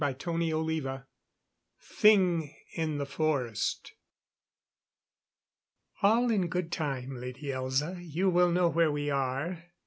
CHAPTER XXVIII Thing in the Forest "All in good time, Lady Elza, you will know where we are."